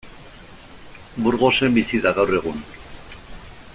Burgosen bizi da gaur egun.